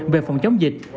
về phòng chống dịch